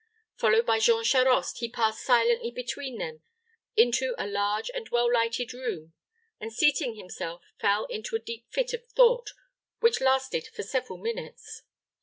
Followed by Jean Charost, he passed silently between them into a large and well lighted room, and seating himself, fell into a deep fit of thought, which lasted for several minutes.